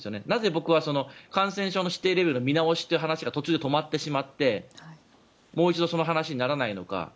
なぜ僕は感染症の指定レベルの見直しという話が途中で止まってしまってもう一度その話にならないのか。